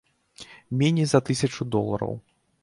Меней за тысячу долараў.